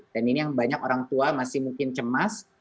dan ini yang banyak orang tua masih mungkin cemas